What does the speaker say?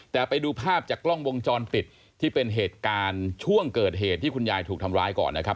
แต่ไปดูภาพจากกล้องวงจรปิดที่เป็นเหตุการณ์ช่วงเกิดเหตุที่คุณยายถูกทำร้ายก่อนนะครับ